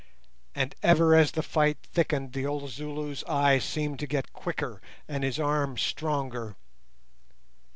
And ever as the fight thickened, the old Zulu's eye seemed to get quicker and his arm stronger.